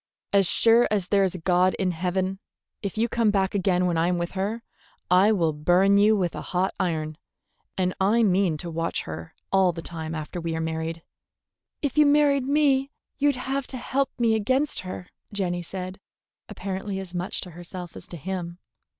As sure as there's a God in heaven, if you come back again when I am with her, I'll burn you with a hot iron; and I mean to watch her all the time after we are married." "If you married me, you'd have to help me against her," Jenny said, apparently as much to herself as to him.